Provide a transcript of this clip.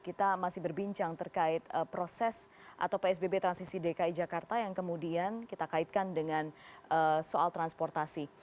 kita masih berbincang terkait proses atau psbb transisi dki jakarta yang kemudian kita kaitkan dengan soal transportasi